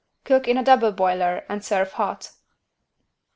Cook in a double boiler and serve hot.